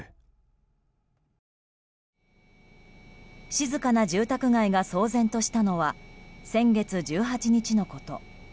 静かな住宅街が騒然としたのは先月１８日のこと。